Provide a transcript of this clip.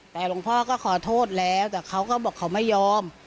แต่หลวงพ่อก็ขอโทษแล้วแต่เขาก็บอกเขาไม่ยอม